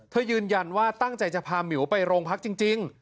ยืนยันว่าตั้งใจจะพาหมิวไปโรงพักจริง